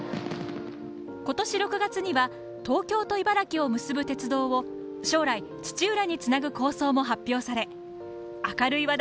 今年６月には、東京と茨城を結ぶ鉄道を、将来土浦につなぐ構想も発表され明るい話題に沸く